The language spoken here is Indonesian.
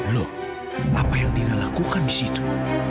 loh apa yang dina lakukan disitu